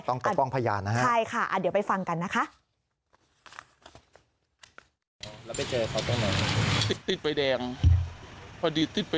ต้องปลอดภัยนะฮะใช่ค่ะเดี๋ยวไปฟังกันนะคะ